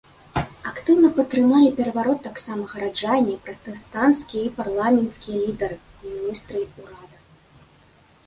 Актыўна падтрымалі пераварот таксама гараджане, пратэстанцкія і парламенцкія лідары, міністры ўрада.